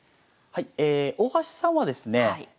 大橋さんはですね